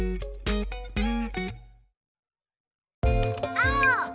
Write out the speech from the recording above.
あお！